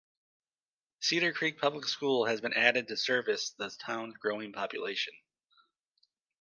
Cedar Creek Public School has been added to service the town's growing population.